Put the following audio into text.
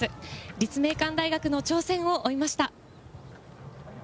立命館大学の挑戦を追いました。